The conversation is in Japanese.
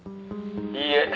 「いいえ。